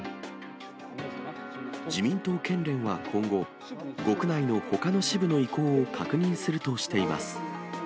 自民党県連は今後、５区内のほかの支部の意向を確認するとしています。